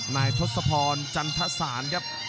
นายทศพรจันทรสารครับ